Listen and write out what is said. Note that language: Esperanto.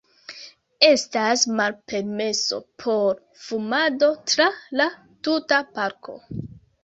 Estas malpermeso por fumado tra la tuta parko.